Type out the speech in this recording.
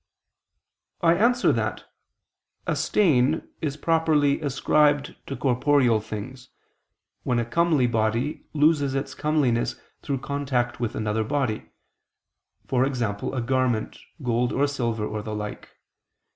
I answer that, A stain is properly ascribed to corporeal things, when a comely body loses its comeliness through contact with another body, e.g. a garment, gold or silver, or the like.